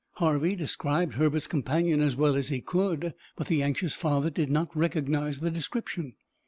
Harvey described Herbert's companion as well as he could, but the anxious father did not recognize the description.